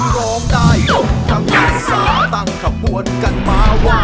ลองได้ยกกำลังซ่าตั้งขบวนกันมาวาง